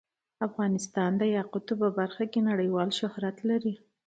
افغانستان د یاقوت په برخه کې نړیوال شهرت لري.